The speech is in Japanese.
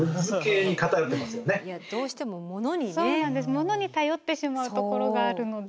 ものに頼ってしまうところがあるので。